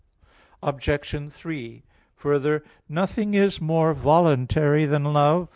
Obj. 3: Further, nothing is more voluntary than love.